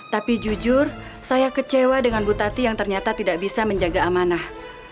tapi jujur saya kecewa dengan bu tati yang ternyata tidak bisa menjaga amanah